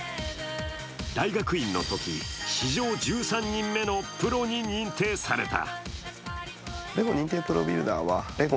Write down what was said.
大学院のとき、史上１３人目のプロに認定された。